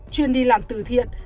chuyên đi làm từ thiện